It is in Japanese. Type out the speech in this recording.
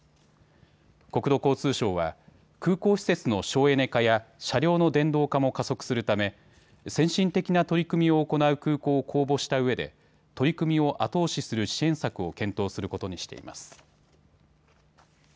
国土交通省は空港施設の省エネ化や車両の電動化も加速するため先進的な取り組みを行う空港を公募したうえで取り組みを後押しする支援策を検討することにしています。